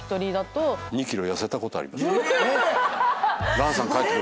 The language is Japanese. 蘭さん帰ってくるまで。